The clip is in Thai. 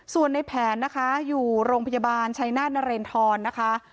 ส่วนในแผนนะคะอยู่โรงพยาบาลชัยนาธนเรนทรนะคะ